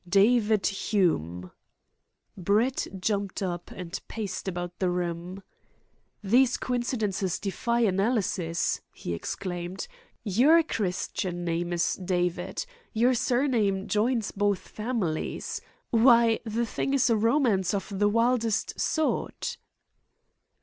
"David Hume!" Brett jumped up, and paced about the room. "These coincidences defy analysis," he exclaimed. "Your Christian name is David. Your surname joins both families. Why, the thing is a romance of the wildest sort."